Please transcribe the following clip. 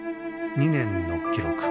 ２年の記録。